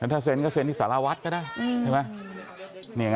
ถ้าเซ็นก็เซ็นที่สารวัดก็ได้